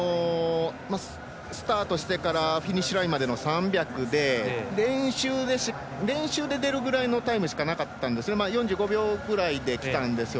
スタートしてからフィニッシュラインまでの３００で、練習で出るぐらいのタイムしかなかったんですけど４５秒ぐらいできたんですよ。